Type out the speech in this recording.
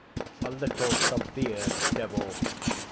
A little severe devil!